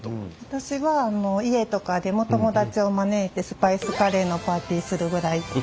私は家とかでも友達を招いてスパイスカレーのパーティーするぐらいカレーが好きです。